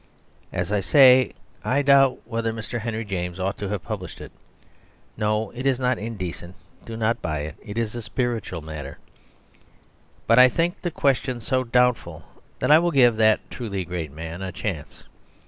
As I say, I doubt whether Mr. Henry James ought to have published it (no, it is not indecent, do not buy it; it is a spiritual matter), but I think the question so doubtful that I will give that truly great man a chance.